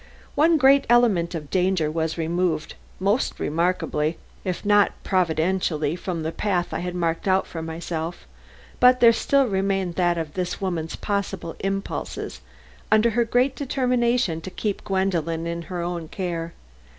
One great element of danger was removed most remarkably, if not providentially, from the path I had marked out for myself; but there still remained that of this woman's possible impulses under her great determination to keep Gwendolen in her own care.